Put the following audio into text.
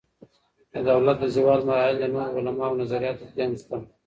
د دولت د زوال مراحل د نورو علماؤ نظریاتو کي هم سته.